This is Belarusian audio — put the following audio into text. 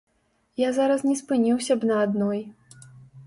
Я зараз не спыніўся б на адной.